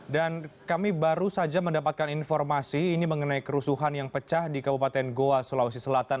dan kami baru saja mendapatkan informasi ini mengenai kerusuhan yang pecah di kabupaten goa sulawesi selatan